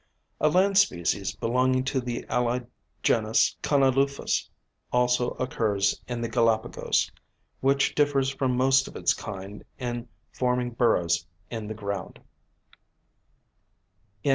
A land species belonging to the allied genus Conolophus also occurs in the Galapagos, which differs from most of its kind in forming burrows in the ground.